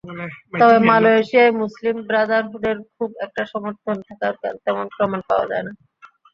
তবে মালয়েশিয়ায় মুসলিম ব্রাদারহুডের খুব একটা সমর্থন থাকার তেমন প্রমাণ পাওয়া যায় না।